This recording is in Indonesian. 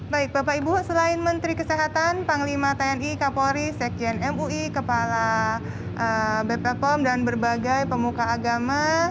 baik bapak ibu selain menteri kesehatan panglima tni kapolri sekjen mui kepala bp pom dan berbagai pemuka agama